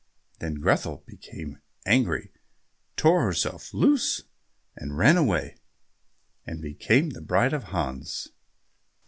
Then Grethel became angry, tore herself loose and ran away, and became the bride of Hans.